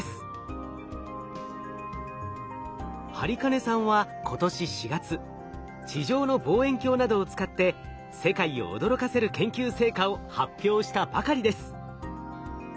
播金さんは今年４月地上の望遠鏡などを使って世界を驚かせる研究成果を発表したばかりです。